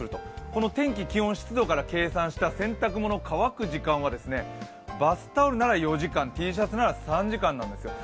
この天気、気温、湿度から計算した洗濯物乾く時間はバスタオルなら４時間Ｔシャツなら３時間なんですよ。